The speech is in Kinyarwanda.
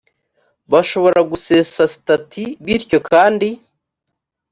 bashobora gusesa sitati bityo kandi